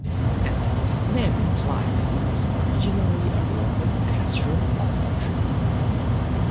As its name implies, it was originally a Roman castrum or fortress.